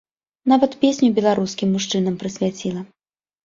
Нават песню беларускім мужчынам прысвяціла.